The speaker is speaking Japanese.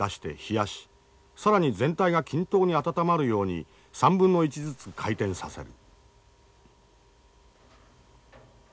更に全体が均等に温まるように３分の１ずつ回転させる。